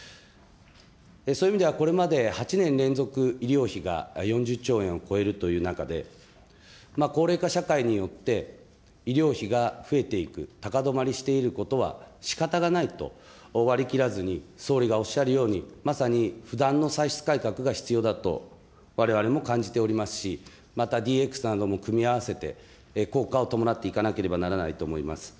そういう意味ではこれまで８年連続、医療費が４０兆円を超えるという中で、高齢化社会によって、医療費が増えていく、高止まりしていることは、しかたがないと割りきらずに総理がおっしゃるようにまさに不断の歳出改革が必要だとわれわれも感じておりますし、またＤＸなども組み合わせて効果を伴っていかなければならないと思っております。